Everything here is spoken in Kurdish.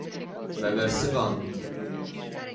Me bersivand.